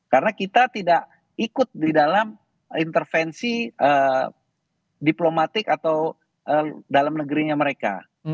karena kita tidak ikut di dalam intervensi diplomatik atau dalam negerinya mereka